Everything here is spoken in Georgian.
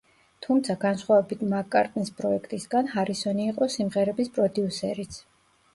თუმცა, განსხვავებით მაკ-კარტნის პროექტისგან, ჰარისონი იყო სიმღერების პროდიუსერიც.